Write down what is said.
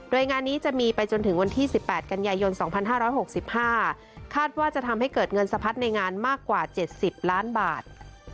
โดยงานนี้จะมีไปจนถึงวันที่๑๘กันยายน๒๕๖๕คาดว่าจะทำให้เกิดเงินสะพัดในงานมากกว่า๗๐ล้านบาท